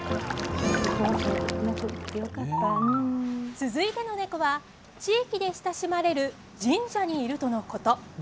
続いての猫は地域で親しまれる神社にいるとのこと。